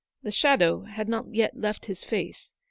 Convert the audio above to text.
The shadow had not yet left his face.